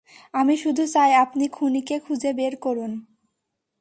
আমি শুধু চাই আপনি খুনিকে খুঁজে বের করুন।